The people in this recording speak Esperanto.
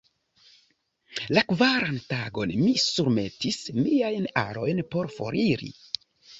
La kvaran tagon, mi surmetis miajn alojn por foriri.